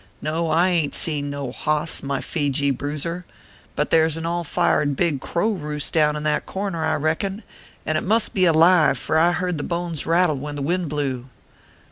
" No, I aint seen no boss, my Fejee bruiser ; but there s an all fired big crow roost down in that corner, I reckon ; and it must be alive, for I heard the bones rattle when the wind blew."